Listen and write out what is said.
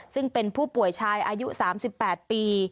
ซึ่งเป็นผู้ป่วยชายอายุ๓๘ปี